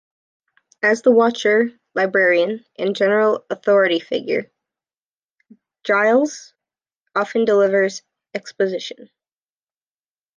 As the Watcher, librarian, and general authority figure, Giles often delivers exposition.